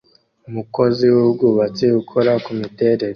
umukozi wubwubatsi ukora kumiterere